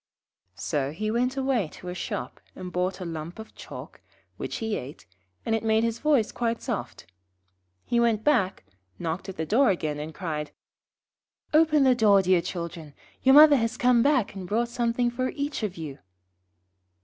So he went away to a shop and bought a lump of chalk, which he ate, and it made his voice quite soft. He went back, knocked at the door again, and cried 'Open the door, dear children. Your mother has come back and brought something for each of you.'